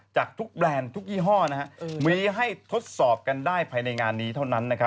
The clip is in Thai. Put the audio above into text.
จากทุกแบรนด์ทุกยี่ห้อมีให้ทดสอบกันได้ภายในงานนี้เท่านั้น